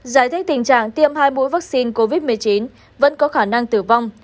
giải thích tình trạng tiêm hai mũi vaccine covid một mươi chín vẫn có khả năng tử vong